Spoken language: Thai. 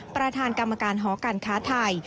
ประธานกรรมการหอการค้าไทย